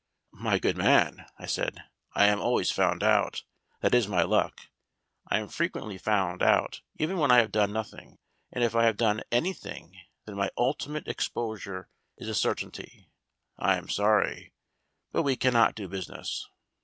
"My good man," I said, "I am always found out. That is my luck. I am frequently found out even when I have done nothing, and if I have done anything then my ultimate exposure is a certainty. I am sorry, but we cannot do business."